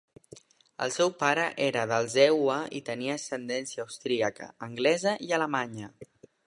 El seu pare era dels EUA i tenia ascendència austríaca, anglesa i alemanya.